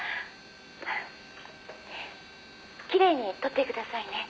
「きれいに撮ってくださいね」